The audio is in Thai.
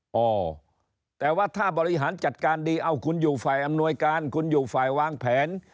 อ๋อแต่ว่าถ้าบริหารจัดการดีเอาคุณอยู่ฝ่ายอำนวยการคุณอยู่ฝ่ายวางแผน